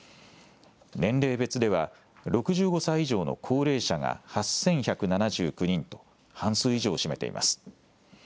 年齢別では６５歳以上の高齢者が８１７９人と半数以上を占めています。